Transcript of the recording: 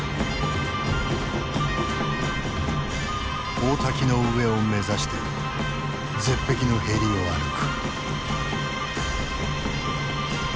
大滝の上を目指して絶壁のへりを歩く。